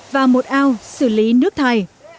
sau đó có ba ao để xử lý nước thầy